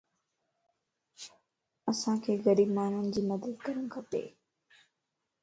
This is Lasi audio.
اسانک غريب ماڻھين جي مدد ڪرڻ کپ